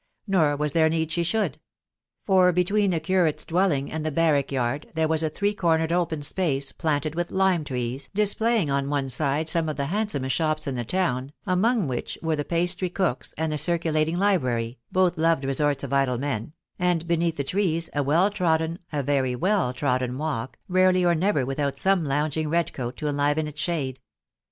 Nor was there need she should ; for between the curate's dwelling and the barrack yard there was a three cornered open space, planted with lime trees, displaying on one side some of the handsomest shops in the town, among which were the pastry cook's and the circulating library (both loved resorts of idle men), and beneath the trees a well trodden, a very well trodden walk, rarely or never without some lounging red coat to enliven its shade.